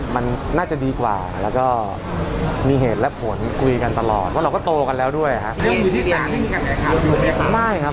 มันน่าจะดีกว่าแล้วก็มีเหตุและผลคุยกันตลอดเพราะเราก็โตกันแล้วด้วยครับ